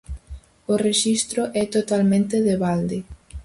O rexistro é totalmente de balde.